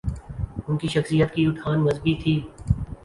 ان کی شخصیت کی اٹھان مذہبی تھی۔